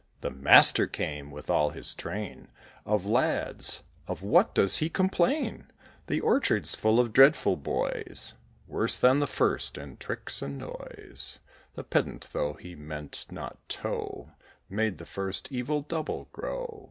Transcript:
The Master came, with all his train Of lads. "Of what does he complain?" The orchard's full of dreadful boys, Worse than the first, in tricks and noise. The Pedant, though he meant not to, Made the first evil double grow.